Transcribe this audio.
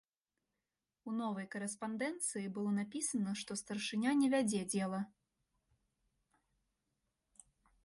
У новай карэспандэнцыі было напісана, што старшыня не вядзе дзела.